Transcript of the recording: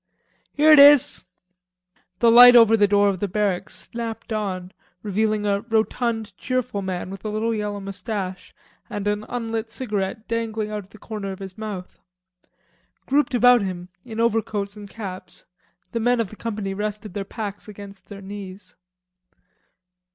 "Here it is." The light over the door of the barracks snapped on, revealing a rotund cheerful man with a little yellow mustache and an unlit cigarette dangling out of the corner of his mouth. Grouped about him, in overcoats and caps, the men of the company rested their packs against their knees.